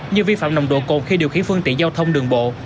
như vi phạm nồng độ cồn khi điều khiển phương tiện giao thông đường bộ